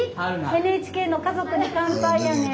ＮＨＫの「家族に乾杯」やねん。